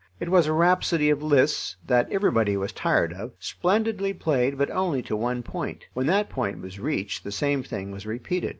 It was a rhapsody of Liszt's, that everybody was tired of, splendidly played but only to one point. When that point was reached the same thing was repeated.